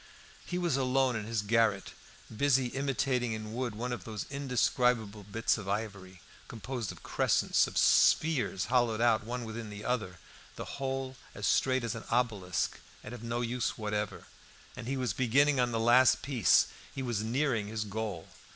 He was alone in his garret, busy imitating in wood one of those indescribable bits of ivory, composed of crescents, of spheres hollowed out one within the other, the whole as straight as an obelisk, and of no use whatever; and he was beginning on the last piece he was nearing his goal.